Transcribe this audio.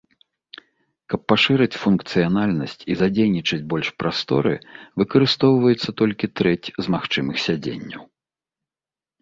Каб пашырыць функцыянальнасць і задзейнічаць больш прасторы, выкарыстоўваецца толькі трэць з магчымых сядзенняў.